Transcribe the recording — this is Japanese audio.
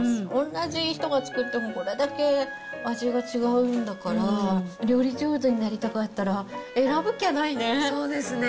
同じ人が作っても、これだけ味が違うんだから、料理上手になりたかったら、そうですね。